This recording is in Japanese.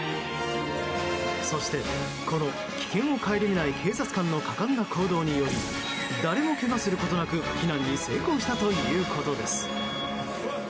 そして、この危険を顧みない警察官の果敢な行動により誰もけがすることなく避難に成功したということです。